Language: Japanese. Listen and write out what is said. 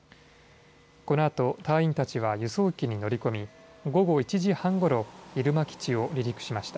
このあと隊員たちは輸送機に乗り込み、午後１時半ごろ、入間基地を離陸しました。